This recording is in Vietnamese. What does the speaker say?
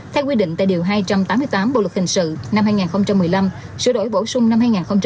theo quy định tại điều hai trăm tám mươi tám bộ luật hình sự năm hai nghìn một mươi năm sửa đổi bổ sung năm hai nghìn một mươi bảy